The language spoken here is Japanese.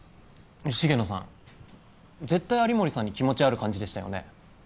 重野さん絶対有森さんに気持ちある感じでしたよね？